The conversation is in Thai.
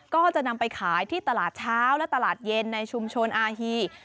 ก็จะนำไปขายที่ตลาดเช้าและตลาดเย็นในชุมชนอาฮี